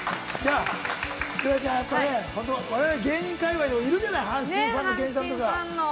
福田ちゃん、やっぱね、我々芸人界隈でもいるじゃない、阪神ファンの芸人さんとか。